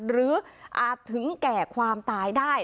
อาจถึงแก่ความตายได้